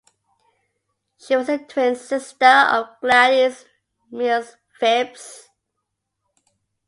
She was the twin sister of Gladys Mills Phipps.